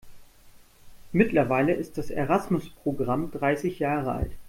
Mittlerweile ist das Erasmus-Programm dreißig Jahre alt.